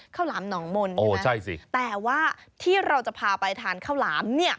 หลามหนองมนต์โอ้ใช่สิแต่ว่าที่เราจะพาไปทานข้าวหลามเนี่ย